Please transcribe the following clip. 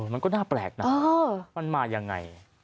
มันก็น่าแปลกนะมันมายังไง